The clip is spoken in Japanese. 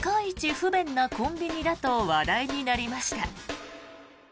不便なコンビニだと話題になりました。